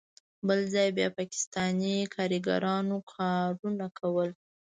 بل ځای بیا پاکستانی کاریګرانو کارونه کول.